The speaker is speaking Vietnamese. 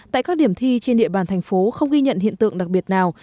tại các điểm thi trên địa bàn thành phố không ghi nhận hiện tượng đặc biệt nào